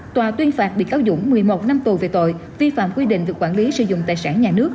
tòa tuyên phạt bị cáo dũng một mươi một năm tù về tội vi phạm quy định về quản lý sử dụng tài sản nhà nước